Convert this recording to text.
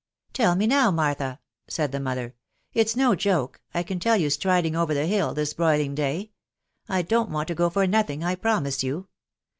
" Tell me now, Martha," said the mother. " It's no joke, I can tell you. striding over the hill this broiling day. I don't want to go for nothing, I promise you.